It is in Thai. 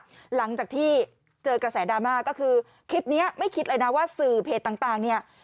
หลังจากที่เจอกระแสดราม่าก็คือคลิปนี้ไม่คิดเลยนะว่าสื่อเพจต่างเนี่ย